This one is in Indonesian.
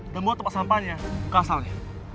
dan buat tempat sampahnya bukan asalnya